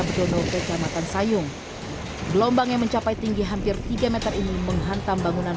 begono kecamatan sayung gelombang yang mencapai tinggi hampir tiga meter ini menghantam bangunan